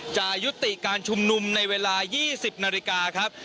จะยุติการชุมนุมในเวลา๒๐นาฬิกาครับ